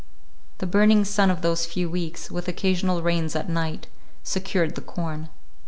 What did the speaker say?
The burning sun of those few weeks, with occasional rains at night, secured the corn.